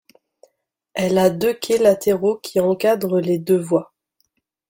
Elle a deux quais latéraux qui encadrent les deux voies.